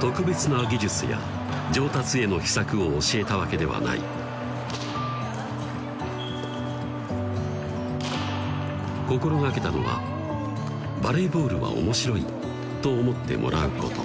特別な技術や上達への秘策を教えたわけではない心掛けたのはバレーボールは面白いと思ってもらうこと